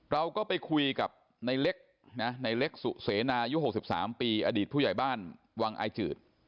เราก็ไปคุยกับในเล็กในเล็กสุเสนายุ๖๓ปีอดีตผู้ใหญ่บ้านวังอายจืด